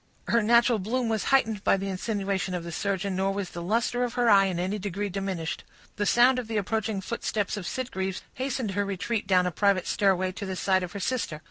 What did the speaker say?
Her natural bloom was heightened by the insinuation of the surgeon, nor was the luster of her eye in any degree diminished. The sound of the approaching footsteps of Sitgreaves hastened her retreat down a private stairway, to the side of her sister.